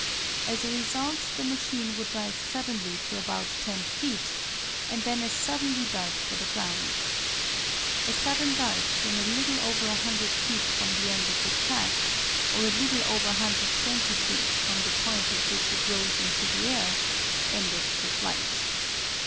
As a result the machine would rise suddenly to about ten feet, and then as suddenly dart for the ground. A sudden dart when a little over a hundred feet from the end of the track, or a little over 120 feet from the point at which it rose into the air, ended the flight.